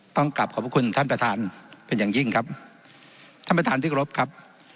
ต้องกลับขอบพระคุณท่านประธานเป็นอย่างยิ่งครับท่านประธานที่กรบครับ